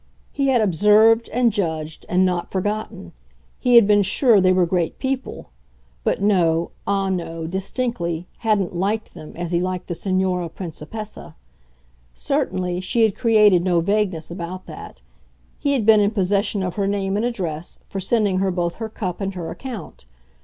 He had observed and judged and not forgotten; he had been sure they were great people, but no, ah no, distinctly, hadn't "liked" them as he liked the Signora Principessa. Certainly she had created no vagueness about that he had been in possession of her name and address, for sending her both her cup and her account.